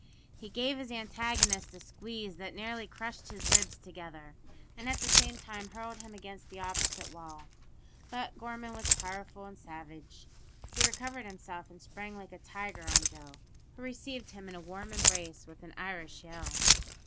He gave his antagonist a squeeze that nearly crushed his ribs together, and at the same time hurled him against the opposite wall. But Gorman was powerful and savage. He recovered himself and sprang like a tiger on Joe, who received him in a warm embrace with an Irish yell!